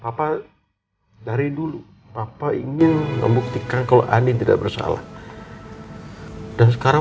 papa dari dulu apa ingin membuktikan kalau aneh tidak bersalah dan sekarang